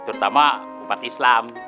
terutama umat islam